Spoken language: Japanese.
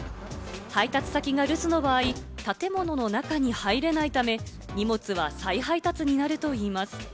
配達先が留守の場合、建物の中に入れないため、荷物は再配達になるといいます。